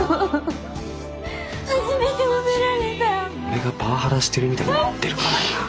俺がパワハラしてるみたいになってるから今。